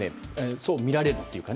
そう見られるというか。